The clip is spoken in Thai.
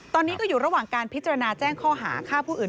ตอนนี้ก็อยู่ระหว่างการพิจารณาแจ้งข้อหาฆ่าผู้อื่น